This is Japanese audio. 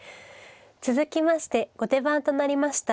続きまして後手番となりました